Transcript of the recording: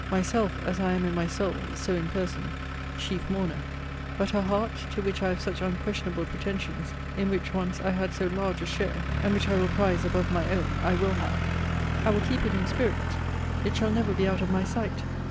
Myself, as I am in my soul, so in person, chief mourner. But her heart, to which I have such unquestionable pretensions, in which once I had so large a share, and which I will prize above my own, I will have. I will keep it in spirits. It shall never be out of my sight.